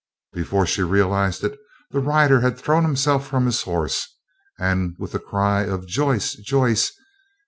Before she realized it, the rider had thrown himself from his horse, and with the cry of "Joyce! Joyce!"